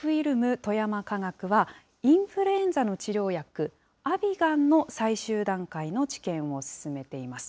富山化学は、インフルエンザの治療薬、アビガンの最終段階の治験を進めています。